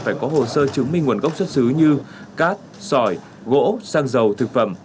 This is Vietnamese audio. phải có hồ sơ chứng minh nguồn gốc xuất xứ như cát sỏi gỗ xăng dầu thực phẩm